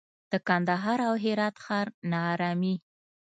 د کندهار او هرات ښار ناارامي